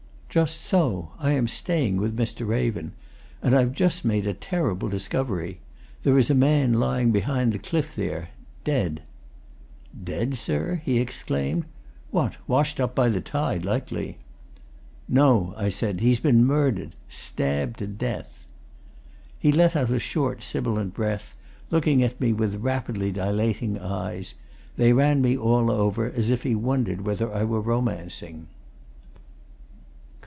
"Just so I am staying with Mr. Raven. And I've just made a terrible discovery. There is a man lying behind the cliff there dead." "Dead, sir?" he exclaimed. "What washed up by the tide, likely." "No," I said. "He's been murdered. Stabbed to death!" He let out a short, sibilant breath, looking at me with rapidly dilating eyes: they ran me all over, as if he wondered whether I were romancing.